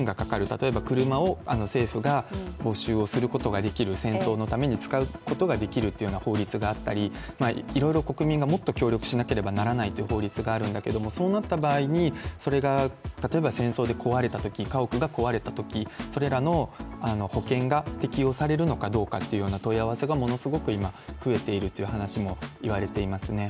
例えば車を政府が没収をすることができる、戦闘のために使うことができるという法律があったりいろいろ国民がもっと協力しなければならないという法律があるんだけどそうなった場合に、それが例えば戦争で壊れたとき、家屋が壊れたとき、それらの保険が適用されるのかどうかという問い合わせがものすごく今増えているという話もいわれていますね。